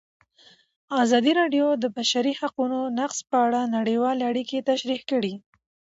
ازادي راډیو د د بشري حقونو نقض په اړه نړیوالې اړیکې تشریح کړي.